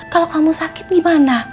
kalau kamu sakit gimana